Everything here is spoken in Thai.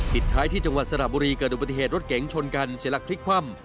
ท้ายที่จังหวัดสระบุรีเกิดอุบัติเหตุรถเก๋งชนกันเสียหลักพลิกคว่ำ